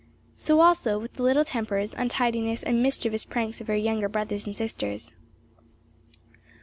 So also with the little tempers, untidinesses, and mischievous pranks of her younger brothers and sisters.